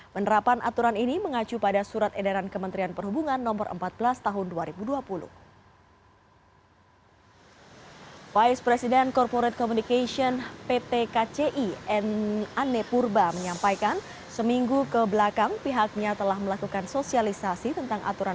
penerapan aturan ini mengacu pada surat edaran kementerian perhubungan no empat belas tahun dua ribu dua puluh